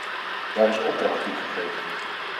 Daar is opdracht toe gegeven.